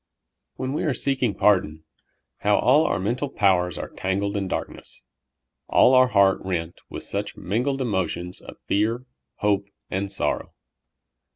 When we are seeking pardon, how all our mental powers are tangled in darkness, all our heart rent with such mingled emotions of fear, hope and sorrow